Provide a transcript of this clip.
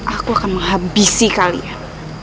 aku akan menghabisi kalian